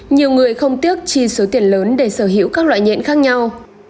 nhiều người không tiếc chi số tiền lớn để sở hữu các loại nhện khác nhau